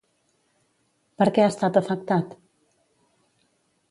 Per què ha estat afectat?